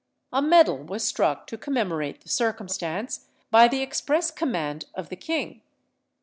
A medal was struck to commemorate the circumstance, by the express command of the king.